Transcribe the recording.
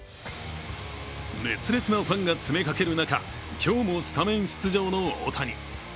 熱烈なファンが詰めかける中、今日もスタメン出場の大谷。